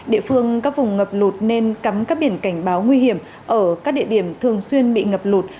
địa phương các vùng ngập lụt nên cắm các biển cảnh báo nguy hiểm ở các địa điểm thường xuyên bị ngập lụt